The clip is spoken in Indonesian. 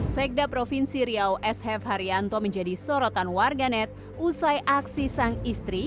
sekda provinsi riau sf haryanto menjadi sorotan warganet usai aksi sang istri